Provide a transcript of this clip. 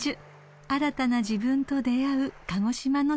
［新たな自分と出会う鹿児島の空旅です］